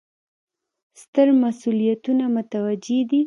ستر مسوولیتونه متوجه دي.